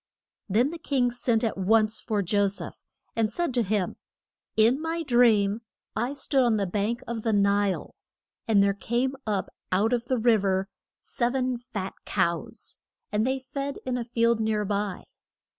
Then the king sent at once for Jo seph, and said to him: In my dream I stood on the bank of the Nile. And there came up out of the riv er sev en fat cows, and they fed in a field near by.